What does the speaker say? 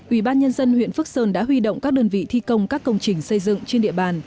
ủy ban nhân dân huyện phước sơn đã huy động các đơn vị thi công các công trình xây dựng trên địa bàn